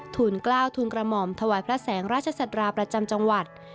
ทุนกล้าวทุนกระหม่อมถวายพระแสงราชศัตราประจำจังหวัด